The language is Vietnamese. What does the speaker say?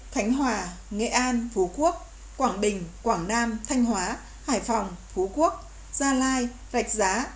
khánh hòa nghệ an phú quốc quảng bình quảng nam thanh hóa hải phòng phú quốc gia lai rạch giá